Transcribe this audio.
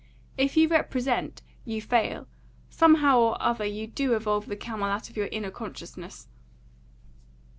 If you represent, you fail. Somehow or other you do evolve the camel out of your inner consciousness."